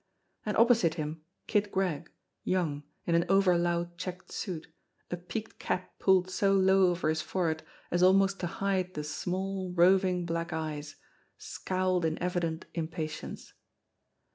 And opposite him Kid Gregg, young, in an over loud checked suit, a peaked cap pulled so low over his forehead as almost to hide the small, roving black eyes, scowled in evident impatience.